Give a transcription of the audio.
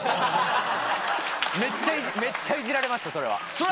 めっちゃいじられましたそれは。